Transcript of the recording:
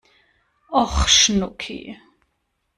Och, Schnucki!